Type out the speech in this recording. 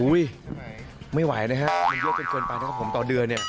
ไม่ไหวนะฮะมันเยอะจนเกินไปนะครับผมต่อเดือนเนี่ย